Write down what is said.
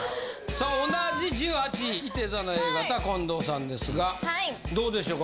さあ同じ１８位いて座のＡ型近藤さんですがどうでしょうか